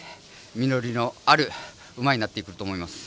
実りのある馬になってくると思います。